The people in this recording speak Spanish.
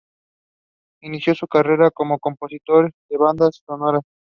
Inició su carrera como compositor de Bandas Sonoras.